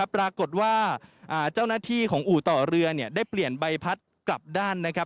ปรากฏว่าเจ้าหน้าที่ของอู่ต่อเรือได้เปลี่ยนใบพัดกลับด้าน